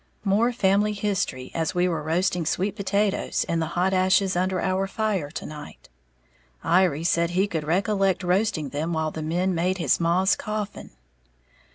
_ More family history as we were roasting sweet potatoes in the hot ashes under our fire to night. Iry said he could recollect roasting them while the men made his maw's coffin.